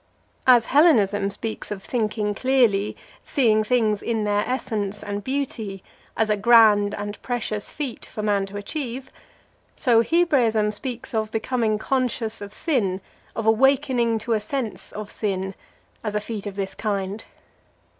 As Hellenism speaks of thinking clearly, seeing things in their essence and beauty, as a grand and precious feat for man to achieve, so Hebraism speaks of becoming conscious of sin, of awakening to a sense of sin, as a feat of this kind.